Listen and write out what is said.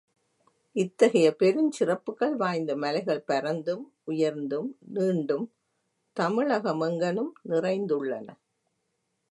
இத்தகைய பெருஞ் சிறப்புக்கள் வாய்ந்த மலைகள் பரந்தும், உயர்ந்தும், நீண்டும் தமிழகமெங்கணும் நிறைந்துள்ளன.